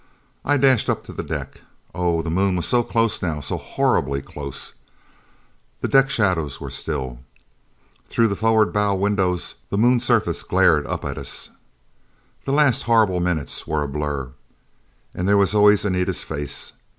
I dashed up to the deck. Oh, the Moon was so close now! So horribly close! The deck shadows were still. Through the forward bow windows the Moon surface glared up at us. Those last horrible minutes were a blur. And there was always Anita's face.